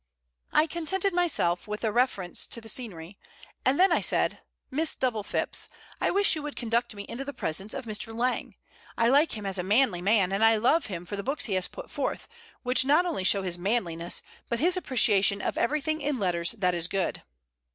I contented myself with a reference to the scenery, and then I said: "Miss Double Phipps, I wish you would conduct me into the presence of Mr. Lang. I like him as a manly man, and I love him for the books he has put forth, which not only show his manliness, but his appreciation of everything in letters that is good."